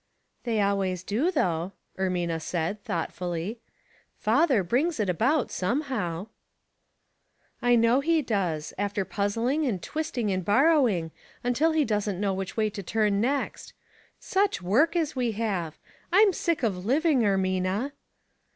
"They always do, though," Ermina said, thoughtfully. "Father brings it about some how." " I know he does, after puzzling and twisting and borrowing, until he doesn't know which way to turn next. Such work as we have I I'm sick of living, Ermina